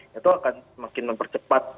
itu akan semakin mempercepat